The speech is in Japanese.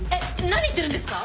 何言ってるんですか？